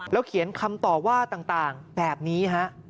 แล้วเขียนคำตอบว่าต่างแบบนี้